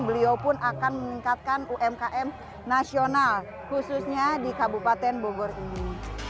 beliau pun akan meningkatkan umkm nasional khususnya di kabupaten bogor ini